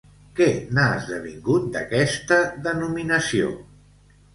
Què n'ha esdevingut d'aquesta denominació?